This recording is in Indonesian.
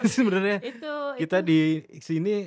sebenarnya kita di sini